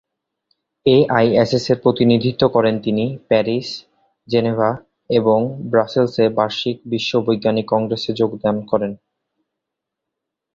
এআইএএস-এর প্রতিনিধিত্ব করে তিনি প্যারিস, জেনেভা এবং ব্রাসেলসে বার্ষিক বিশ্ব বৈজ্ঞানিক কংগ্রেসে যোগ দেন।